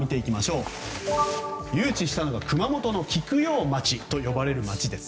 誘致したのが熊本の菊陽町という町です。